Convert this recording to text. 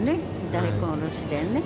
大根おろしでね。